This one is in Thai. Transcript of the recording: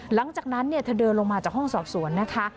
หลังจากนั้นเธอเดินลงมาจากห้องสอบสวนนะคะ